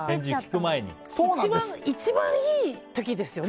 一番いい時ですよね？